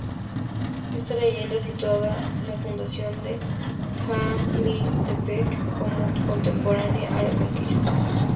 Esta Leyenda sitúa la fundación de Jamiltepec como contemporánea a la conquista.